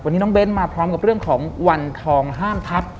วันนี้น้องเบ้นมาพร้อมกับเรื่องของวันทองห้ามทัพ